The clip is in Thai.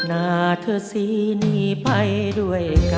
๓แล้ว